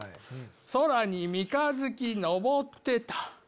空に三日月昇ってた